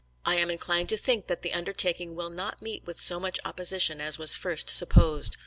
. I am inclined to think that the undertaking will not meet with so much opposition as was at first supposed.